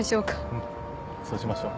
うんそうしましょう。